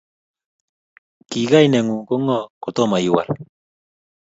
Ki kainengung ko ngo kotomo iwal?